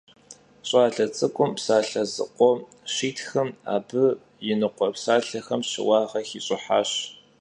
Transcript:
Ş'ale ts'ık'um psalhe zıkhom şitxım, abı yinıkhue psalhexem şıuağe xiş'ıhaş.